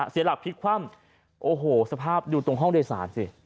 เสียหลับพิษคว่ำโอ้โหสภาพอยู่ตรงห้องเรศาลสิ